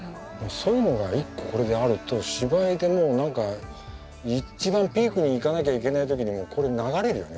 そういうのが一個これであると芝居でもう何か一番ピークにいかなきゃいけない時にもこれ流れるよね